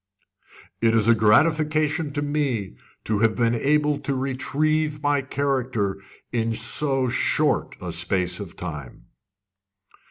"It is a gratification to me to have been able to retrieve my character in so short a space of time."